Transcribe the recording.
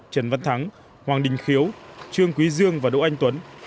trương quý dương và đỗ anh tuấn